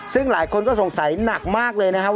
ซึ่งหลายคนก็สงสัยหนักมากเลยนะครับ